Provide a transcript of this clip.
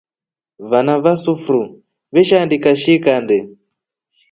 Vana va sufru veshaandika shi kande.